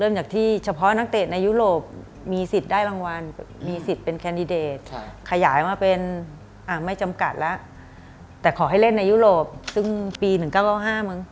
ไม่จำกัดแล้วแต่ขอให้เล่นในยุโรปซึ่งปี๑๙๙๕มึง